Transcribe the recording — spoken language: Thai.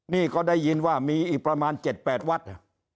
นี่ก็ได้ยินว่ามีอีกประมาณ๗๘วัด